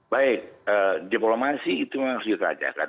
baik diplomasi itu harus kita ajarkan